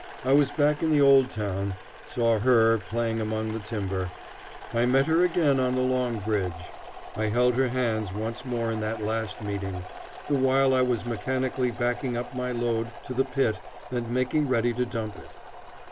I was back in the old town saw her play among the timber. I met her again on the Long Bridge. I held her hands once more in that last meeting the while I was mechanically backing my load up to the pit and making ready to dump it.